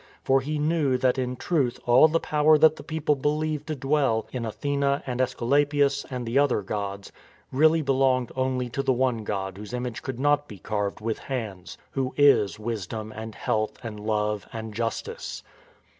For he knew that in truth all the power that the people believed to dwell in Athene and ^Esculapius and the other gods, really belonged only to the one God whose image could not be carved with hands — Who is Wisdom and Health and Love and Justice.